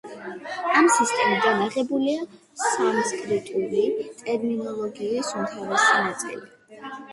ამ სისტემიდან აღებულია სანსკრიტული ტერმინოლოგიის უმთავრესი ნაწილი.